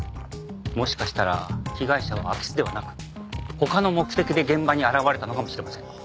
もしかしたら被害者は空き巣ではなく他の目的で現場に現れたのかもしれません。